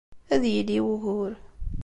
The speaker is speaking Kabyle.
Ad yili wugur.